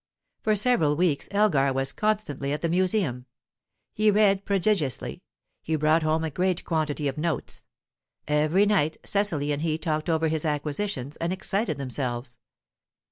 For several weeks Elgar was constantly at the Museum. He read prodigiously; he brought home a great quantity of notes; every night Cecily and he talked over his acquisitions, and excited themselves.